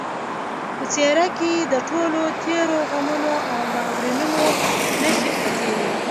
په څېره کې یې د ټولو تېرو غمونو او ناورینونو نښې پرتې وې